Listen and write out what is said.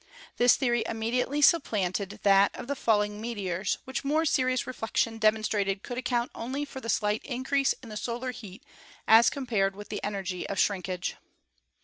This theory immedi ately supplanted that of the falling meteors, which more serious reflection demonstrated could account only for the slight increase in the solar heat as compared with the energy of shrinkage.